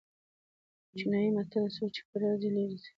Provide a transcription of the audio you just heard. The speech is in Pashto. چینايي متل دئ: څوک چي کرار ځي؛ ليري ځي.